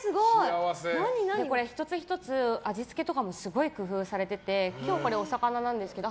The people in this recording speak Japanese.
これ、１つ１つ味付けとかもすごい工夫されてて今日、お魚なんですけど。